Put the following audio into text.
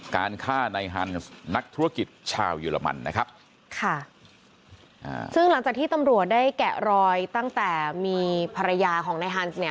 การฆ่าในฮันส์นักธุรกิจชาวเยอรมันนะครับค่ะอ่าซึ่งหลังจากที่ตำรวจได้แกะรอยตั้งแต่มีภรรยาของนายฮันส์เนี่ย